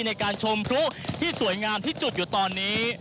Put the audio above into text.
ในการชมพลุที่สวยงามที่จุดอยู่ตอนนี้